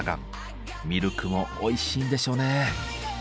ミルクもおいしいんでしょうね。